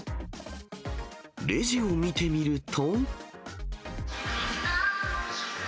レジを見てみると。